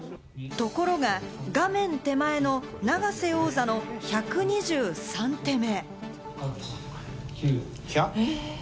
ところが、画面手前の永瀬王座の１２３手目。